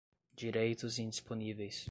direitos indisponíveis